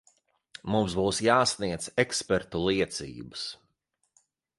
Mums būs jāsniedz ekspertu liecības.